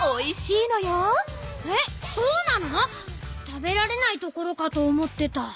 食べられないところかと思ってた。